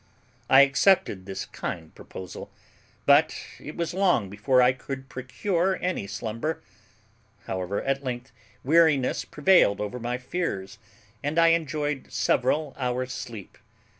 I accepted this kind proposal, but it was long before I could procure any slumber; however, at length, weariness prevailed over my fears, and I enjoyed several hours' sleep.